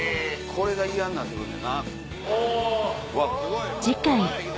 これが嫌になってくんねんな。